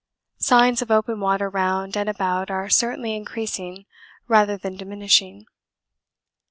Signs of open water round and about are certainly increasing rather than diminishing.